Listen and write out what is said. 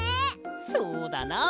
そうだな。